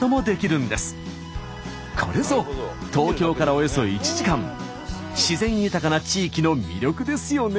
これぞ東京からおよそ１時間自然豊かな地域の魅力ですよね。